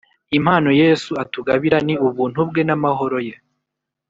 Impano yesu atugabira ni Ubuntu bwe n’amahoro ye